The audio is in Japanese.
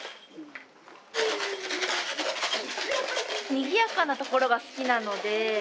にぎやかなところが好きなので。